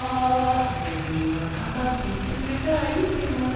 ネズミが「パパ」って言ってくれたらいいけどね。